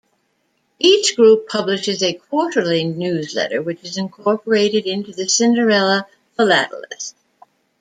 Each group publishes a quarterly newsletter which is incorporated into "The Cinderella Philatelist".